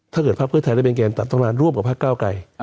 ถ้าเกิดภาคเพื่อไทยได้เป็นแกนตัดต้องมาร่วมกับพักเก้าไกร